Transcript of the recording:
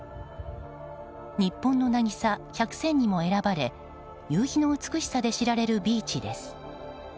日本の渚１００選にも選ばれ夕日の美しさで知られるビーチです。